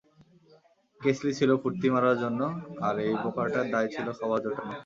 কেসলি ছিল ফূর্তি মারার জন্য আর এই বোকাটার দায় ছিল খাবার জোটানো।